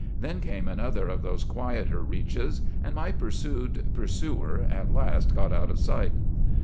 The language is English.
Then came another of those quieter reaches, and my pursued pursuer at last got out of sight.